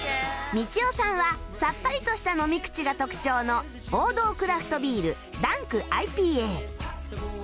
みちおさんはさっぱりとした飲み口が特徴の王道クラフトビールダンク ＩＰＡ